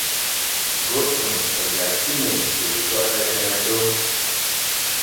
Goɗɗun e jaccimen der golle deme Ɗon.